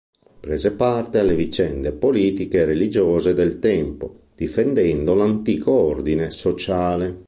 Prese parte alle vicende politiche e religiose del tempo, difendendo l'antico ordine sociale.